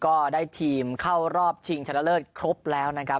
ก็ได้ทีมเข้ารอบชิงชนะเลิศครบแล้วนะครับ